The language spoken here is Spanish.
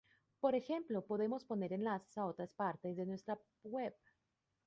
Por ejemplo podemos poner enlaces a otras partes de nuestra Web.